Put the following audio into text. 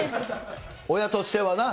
親としてはな。